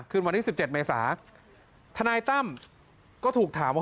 คืนวันที่๑๗เมษาทนายตั้มก็ถูกถามว่า